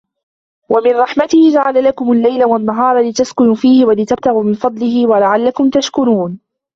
وَمِنْ رَحْمَتِهِ جَعَلَ لَكُمُ اللَّيْلَ وَالنَّهَارَ لِتَسْكُنُوا فِيهِ وَلِتَبْتَغُوا مِنْ فَضْلِهِ وَلَعَلَّكُمْ تَشْكُرُونَ